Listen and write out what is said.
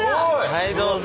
はいどうぞ。